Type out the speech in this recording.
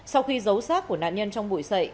sau khi giấu sát của nạn nhân trong bụi sậy